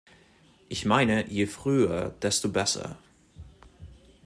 Ich meine, je früher desto besser.